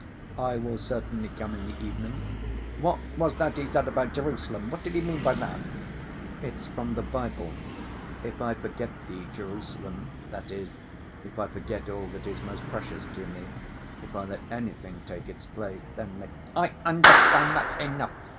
"I will certainly come in the evening." "What was that he said about Jerusalem?... What did he mean by that?" "It's from the Bible. 'If I forget thee, Jerusalem,' that is, if I forget all that is most precious to me, if I let anything take its place, then may—" "I understand, that's enough!